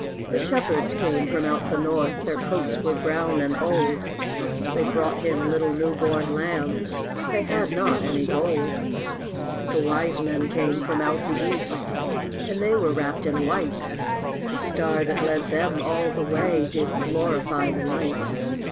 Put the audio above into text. The shepherds came from out the north, Their coats were brown and old, They brought Him little new born lambs They had not any gold. The wise men came from out the east, And they were wrapped in white; The star that led them all the way Did glorify the night.